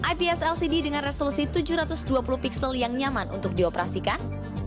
ips lcd dengan resolusi tujuh ratus dua puluh pixel yang nyaman untuk dioperasikan